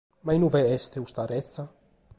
Ma in ue est custa retza?